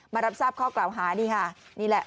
มารับทราบข้อกล่าวหานี่ค่ะ